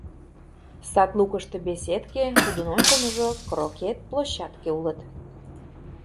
Сад лукышто беседке, тудын ончылныжо крокет площадке улыт.